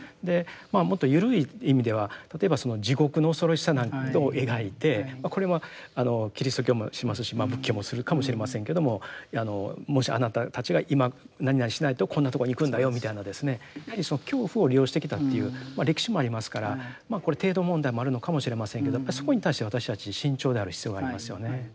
もっと緩い意味では例えば地獄の恐ろしさなんていうことを描いてこれはキリスト教もしますし仏教もするかもしれませんけどももしあなたたちが今なになにしないとこんなとこに行くんだよみたいなですねやはりその恐怖を利用してきたという歴史もありますからこれ程度問題もあるのかもしれませんけどやっぱりそこに対して私たち慎重である必要がありますよね。